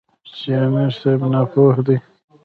چې ځه امیر صېب ناپوهَ دے ـ